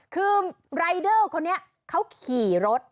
คือรายเดอร์คนนี้เขาขี่รถ